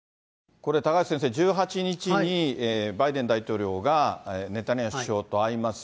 これ、高橋先生、１８日にバイデン大統領がネタニヤフ首相と会います。